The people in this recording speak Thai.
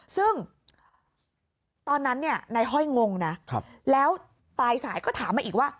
ซึ่งตอนนั้นนายห้อยงงนะแล้วปลายสายก็ถามมาอีกว่า